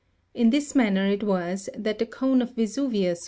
In this manner it was that the cone of Vesuvius (Jig.